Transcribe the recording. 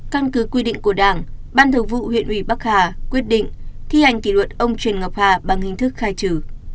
căn cứ quy định của đảng ban thường vụ huyện ủy bắc hà quyết định thi hành kỷ luật ông trần ngọc hà bằng hình thức khai trừ